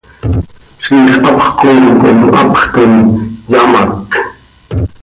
Ziix hapx coom com hapx toom, yamác.